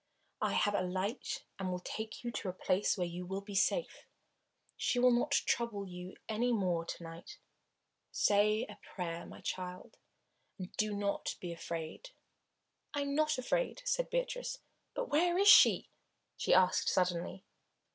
"I have a light and will take you to a place where you will be safe. She will not trouble you any more to night. Say a prayer, my child, and do not be afraid." "I am not afraid," said Beatrice. "But where is she?" she asked suddenly.